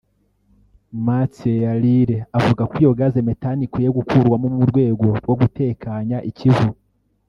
Matthieu Yalire avuga ko iyo Gaz méthane ikwiye gukurwamo mu rwego rwo gutekanya i Kivu